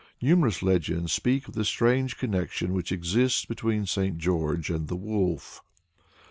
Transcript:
Numerous legends speak of the strange connection which exists between St. George and the Wolf.